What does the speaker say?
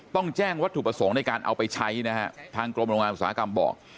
ต้องแจ้งวัตถุประสงค์ในการเอาไปใช้นะฮะทางกรมโรงงานอุตสาหกรรมบอก